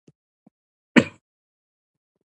ایا زه به خپل عزیزان وپیژنم؟